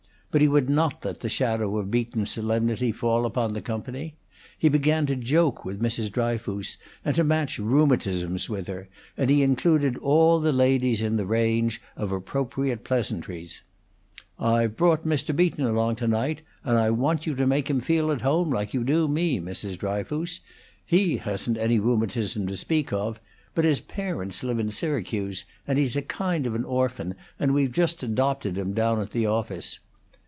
But he would not let the shadow of Beaton's solemnity fall upon the company. He began to joke with Mrs. Dryfoos, and to match rheumatisms with her, and he included all the ladies in the range of appropriate pleasantries. "I've brought Mr. Beaton along to night, and I want you to make him feel at home, like you do me, Mrs. Dryfoos. He hasn't got any rheumatism to speak of; but his parents live in Syracuse, and he's a kind of an orphan, and we've just adopted him down at the office.